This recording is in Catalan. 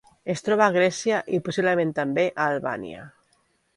Es troba a Grècia i, possiblement també, a Albània.